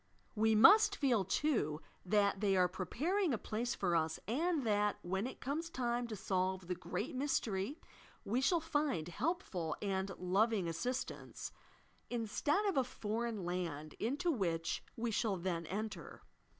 We must feel, too. that they are preparing a place for iis and that, when it comes time to solve the Great Mystery, we shall find helpful and loving assistance, instead of a foreign land, into which we shall then enter.